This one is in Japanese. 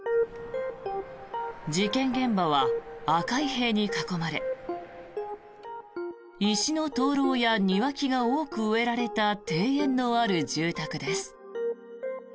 事件現場は赤い塀に囲まれ石の灯ろうや庭木が多く植えられた庭園のある住宅です。